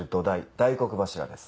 大黒柱です。